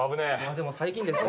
でも最近ですね。